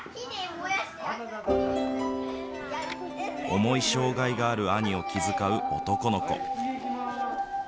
重い障害がある兄を気遣う男の子。